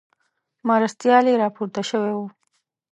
مرستیال یې راپورته شوی وو.